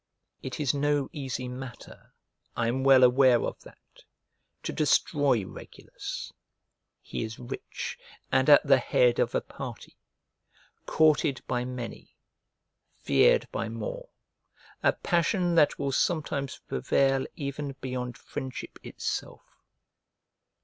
It is no easy matter, I am well aware of that, to destroy Regulus; he is rich, and at the head of a party; courted by many, feared by more: a passion that will sometimes prevail even beyond friendship itself.